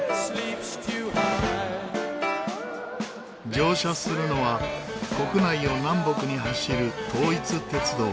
乗車するのは国内を南北に走る統一鉄道。